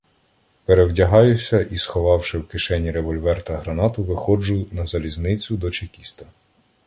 Перевдягаюся і, сховавши в кишені револьвера та гранату, виходжу на залізницю до чекіста.